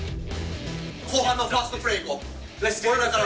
後半のファーストプレーいこう。